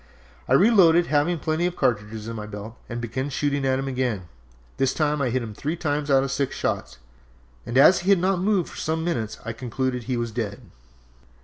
I reloaded, having plenty of cartridges in my belt, and began shooting at him again. This time I hit him three times out of six shots, and as he had not moved for some minutes I concluded that he was dead.